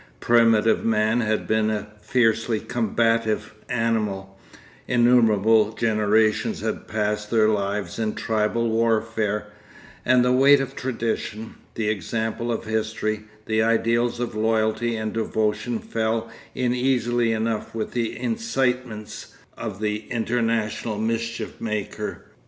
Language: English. Primitive man had been a fiercely combative animal; innumerable generations had passed their lives in tribal warfare, and the weight of tradition, the example of history, the ideals of loyalty and devotion fell in easily enough with the incitements of the international mischief maker.